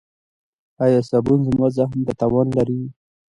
ایا صابون زما زخم ته تاوان لري؟